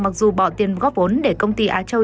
mặc dù bỏ tiền góp vốn để công ty á châu